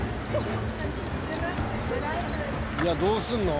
いやどうすんの？